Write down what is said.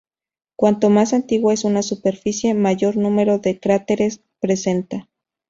Cuanto más antigua es una superficie, mayor número de cráteres presenta.